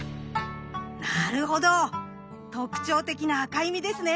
なるほど特徴的な赤い実ですね。